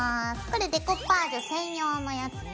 これデコパージュ専用のやつね。